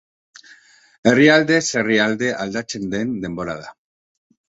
Herrialdez herrialde aldatzen den denbora da.